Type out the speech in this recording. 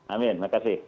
amin terima kasih